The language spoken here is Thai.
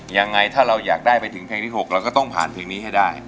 ยังไงถ้าเราอยากได้ไปถึงเพลงที่๖เราก็ต้องผ่านเพลงนี้ให้ได้